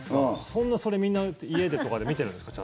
そんな、それ、みんな家とかで見てるんですか？